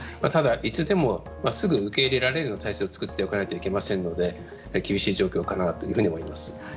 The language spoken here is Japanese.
ただ、いつでもすぐに受け入れられる体制を作っておかないといけませんので厳しい状況かなと思います。